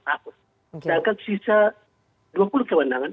sedangkan sisa dua puluh kewenangan